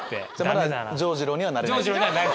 まだジョー二郎にはなれない。